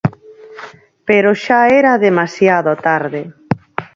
Pero xa era demasiado tarde.